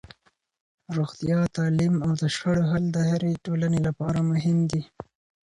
روغتیا، تعلیم او د شخړو حل د هرې ټولنې لپاره مهم دي.